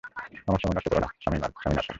আমার সময় নষ্ট করো না, স্বামীনাথন।